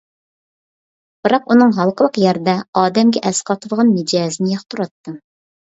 بىراق ئۇنىڭ ھالقىلىق يەردە ئادەمگە ئەس قاتىدىغان مىجەزىنى ياقتۇراتتىم.